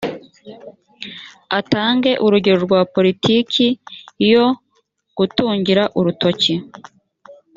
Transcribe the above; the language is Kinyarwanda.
atange urugero rwa politiki yo gutungira urutoki